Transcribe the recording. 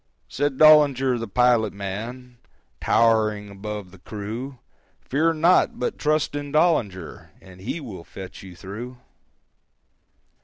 Said Dollinger the pilot man, Tow'ring above the crew, "Fear not, but trust in Dollinger, And he will fetch you through."